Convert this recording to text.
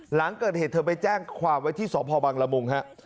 หลังเกิดเหตุเธอไปแจ้งความไว้ที่สพบังละมุงฮะ